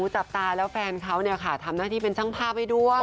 จับตาแล้วแฟนเขาเนี่ยค่ะทำหน้าที่เป็นช่างภาพให้ด้วย